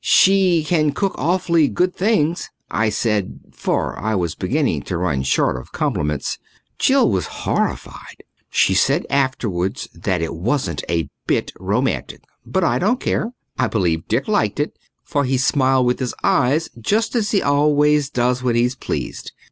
"She can cook awfully good things," I said, for I was beginning to run short of compliments. Jill was horrified; she said afterwards that it wasn't a bit romantic. But I don't care I believe Dick liked it, for he smiled with his eyes I just as he always does when he's pleased.